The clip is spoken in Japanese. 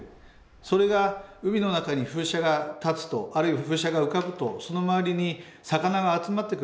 それが海の中に風車が建つとあるいは風車が浮かぶとその周りに魚が集まってくる。